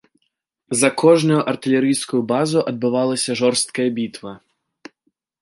За кожную артылерыйскую базу адбывалася жорсткая бітва.